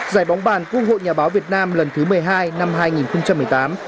giải bóng bàn quốc hội nhà báo việt nam lần thứ một mươi hai năm hai nghìn một mươi tám